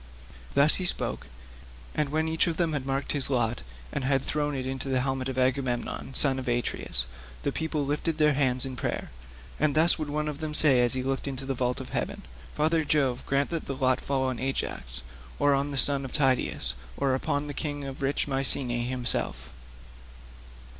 Thus he spoke, and when each of them had marked his lot, and had thrown it into the helmet of Agamemnon son of Atreus, the people lifted their hands in prayer, and thus would one of them say as he looked into the vault of heaven, "Father Jove, grant that the lot fall on Ajax, or on the son of Tydeus, or upon the king of rich Mycene himself."